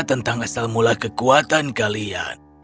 tentang asal mula kekuatan kalian